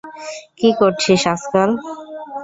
কি করছিস আজকাল?